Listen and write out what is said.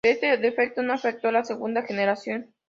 Este defecto no afectó a la segunda generación.